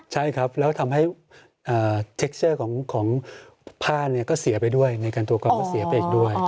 ใช่ครับแล้วทำให้เท็กเซอร์ของผ้าเนี่ยก็เสียไปด้วยในการตัวกองก็เสียไปอีกด้วย